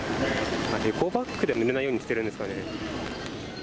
エコバッグでぬれないようにしてるんですかね？